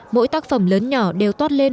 mỗi tác phẩm lớn nhỏ đều tót lên